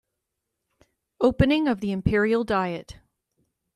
Opening of the Imperial diet